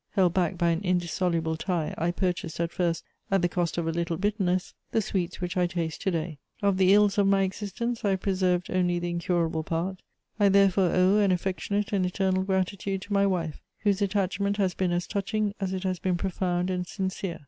Held back by an indissoluble tie, I purchased at first, at the cost of a little bitterness, the sweets which I taste to day. Of the ills of my existence I have preserved only the incurable part. I therefore owe an affectionate and eternal gratitude to my wife, whose attachment has been as touching as it has been profound and sincere.